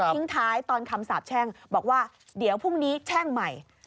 ท้ายตอนคำสาบแช่งบอกว่าเดี๋ยวพรุ่งนี้แช่งใหม่